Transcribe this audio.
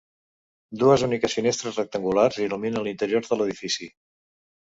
Dues úniques finestres rectangulars il·luminen l'interior de l'edifici.